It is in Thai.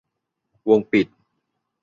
วงปิด